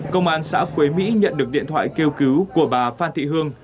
công an xã quế mỹ nhận được điện thoại kêu cứu của bà phan thị hương